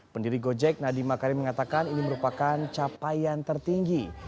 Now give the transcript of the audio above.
pendiri gojek nadiem makarim mengatakan ini merupakan capaian tertinggi